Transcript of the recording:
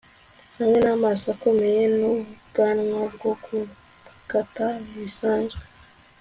hamwe n'amaso akomeye, n'ubwanwa bwo gukata bisanzwe